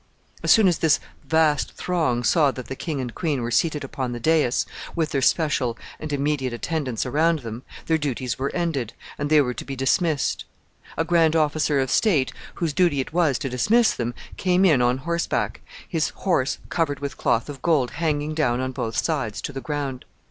As soon as this vast throng saw that the king and queen were seated upon the dais, with their special and immediate attendants around them, their duties were ended, and they were to be dismissed. A grand officer of state, whose duty it was to dismiss them, came in on horseback, his horse covered with cloth of gold hanging down on both sides to the ground.